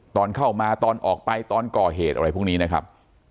ตอนเข้ามาตอนออกไปตอนก่อเหตุอะไรพวกนี้นะครับ